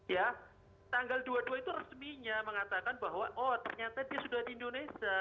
ya tanggal dua puluh dua itu resminya mengatakan bahwa oh ternyata dia sudah di indonesia